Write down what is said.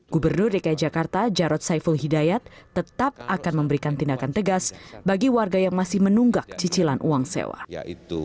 gubernur dki jakarta jarod saiful hidayat tetap akan memberikan tindakan tegas bagi warga yang masih menunggak cicilan uang sewa